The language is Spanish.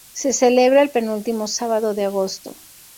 Se celebra el penúltimo sábado de agosto.